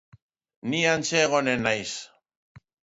Ni hantxe egonen naiz.